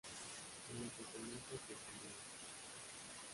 En lo que se muestra confundido.